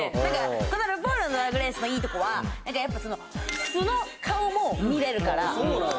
この「ル・ポールのドラァグ・レース」のいいとこはやっぱその素の顔も見れるからそうなの？